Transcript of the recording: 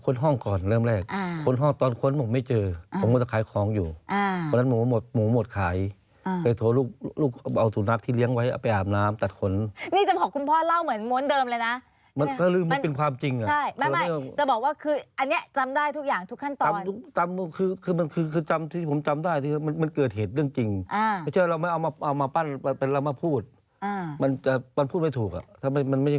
งั้นคือเอางั้นเราเอากระชับกับของเดิมหน่อยนะคะครับก็คือเรื่องเกิดตั้งแต่ตอนคืนนั้น